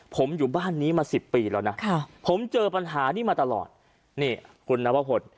ผมอยู่บ้านนี้มาสิบปีแล้วนะผมเจอปัญหานี้มาตลอดนี่คุณนวพล